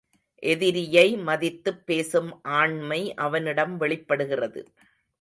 எதிரியை மதித்துப் பேசும் ஆண்மை அவனிடம் வெளிப்படுகிறது.